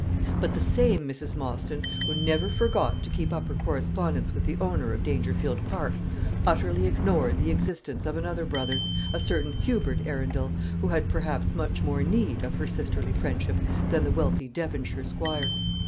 But the same Mrs. Mostyn, who never forgot to keep up her correspondence with the owner of Dangerfield Park, utterly ignored the existence of another brother, a certain Hubert Arundel, who had, perhaps, much more need of her sisterly friendship than the wealthy Devonshire squire.